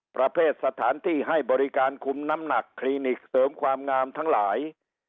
ประเภทสถานที่ให้บริการคุมน้ำหนักคลินิกเสริมความงามทั้งหลาย